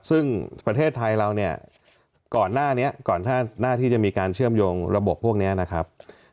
ซึ่งประเทศไทยเราเนี่ยก่อนหน้านี้ก่อนหน้าที่จะมีการเชื่อมโยงระบบพวกนี้นะครับ